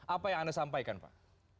apa yang anda sampaikan pak